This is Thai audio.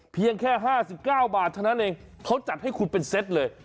เพียงแค่๕๙บาทเท่านั้นเองเขาจัดให้คุณเป็นเซตเลย